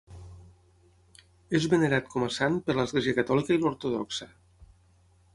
És venerat com a sant per l'Església Catòlica i l'ortodoxa.